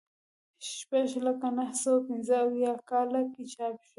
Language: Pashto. شپږ لکه نهه سوه پنځه اویا کال کې چاپ شوی.